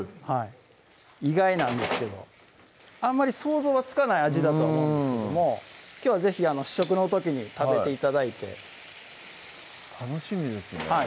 はい意外なんですけどあんまり想像はつかない味だとは思うんですけどもきょうは是非試食の時に食べて頂いて楽しみですよね